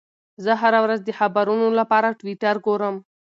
زه هره ورځ د خبرونو لپاره ټویټر ګورم.